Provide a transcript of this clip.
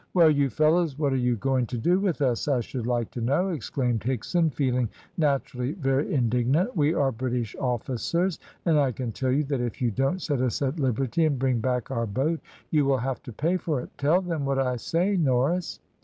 "Well, you fellows, what are you going to do with us, I should like to know?" exclaimed Higson, feeling naturally very indignant. "We are British officers, and I can tell you that if you don't set us at liberty, and bring back our boat, you will have to pay for it. Tell them what I say, Norris."